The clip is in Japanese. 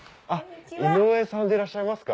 井上さんでいらっしゃいますか？